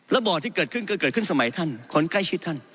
บ่อที่เกิดขึ้นก็เกิดขึ้นสมัยท่านคนใกล้ชิดท่าน